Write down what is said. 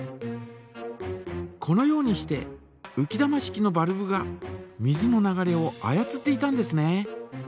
このようにしてうき玉式のバルブが水の流れを操っていたんですね。